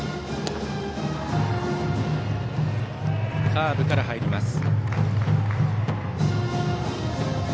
カーブから入ります。